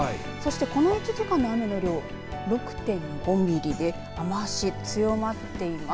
この１時間で雨の量が６．５ミリで雨足、強まっています。